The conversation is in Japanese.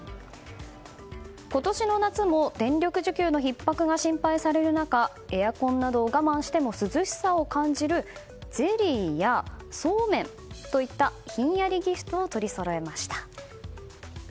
今年の夏も、電力需給のひっ迫が心配される中エアコンなどを我慢しても涼しさを感じるゼリーや、そうめんといったひんやりギフトを取りそろえました。